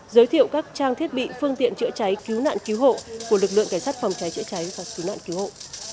giới thiệu các trang thiết bị phương tiện chữa trái cứu nạn cứu hộ của lực lượng cảnh sát phòng trái chữa trái và cứu nạn cứu hộ